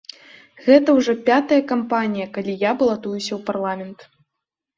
Гэта ўжо пятая кампанія, калі я балатуюся ў парламент.